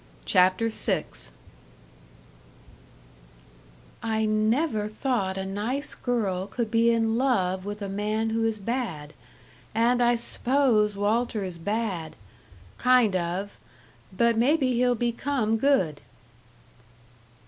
CHAPTER VI "I never thought a nice girl could be in love with a man who is bad, and I s'pose Walter is bad. Kind of. But maybe he'll become good."